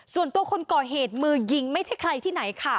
ส่วนตัวคนก่อเหตุมือยิงไม่ใช่ใครที่ไหนค่ะ